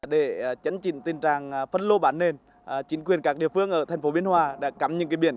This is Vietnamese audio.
để chấn trình tình trạng phân lô bán nền chính quyền các địa phương ở thành phố biên hòa đã cắm những biển